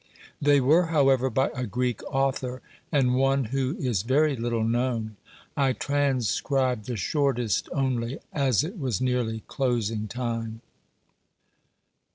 They were, however, by a Greek author, and one who is very little known. I tran scribed the shortest only, as it was nearly closing time.